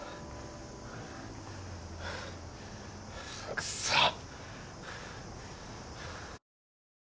くそっ！